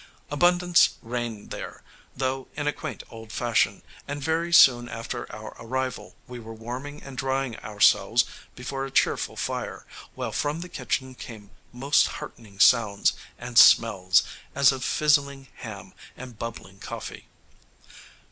Abundance reigned there, though in a quaint old fashion, and very soon after our arrival we were warming and drying ourselves before a cheerful fire, while from the kitchen came most heartening sounds and smells, as of fizzling ham and bubbling coffee.